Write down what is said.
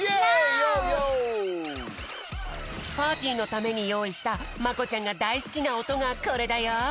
パーティーのためによういしたまこちゃんがだいすきなおとがこれだよ。